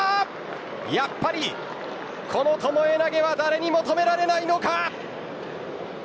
やっぱりこの巴投は誰にも止められないのか。